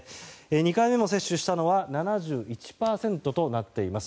２回目も接種したのは７１％となっています。